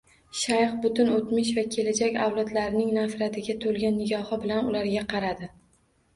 Shayx butun o`tmish va kelajak avlodlarining nafratiga to`lgan nigohi bilan ularga qaradi